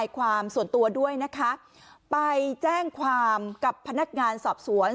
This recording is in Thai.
ก็ไปแจ้งความกับพนักงานสอบสวน